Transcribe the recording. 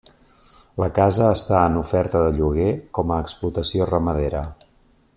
La casa està en oferta de lloguer com a explotació ramadera.